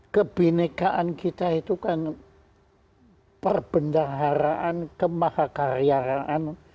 kebinekaan kita itu kan perbendaharaan kemahakaryaraan